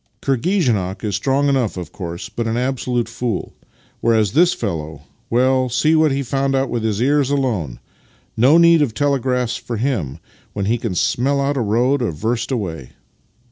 " Kirghizenok is strong enough, of course, but an absolute fool; whereas this fellow — well, see what he found out with his ears alone! No need of telegraphs for him, when he can smell out a road a verst away!